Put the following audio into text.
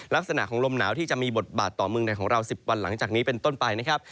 ลักษณะของลมหนาวที่จะมีบทบาทต่อเมืองในของเรา๑๐วันหลังจากนี้เป็นต้นไปนะครับ